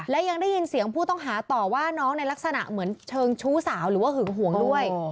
และยังได้ยินเสียงผู้ต้องหาต่อว่าน้องในลักษณะเหมือนเชิงชู้สาวหรือว่าหึงหวงด้วย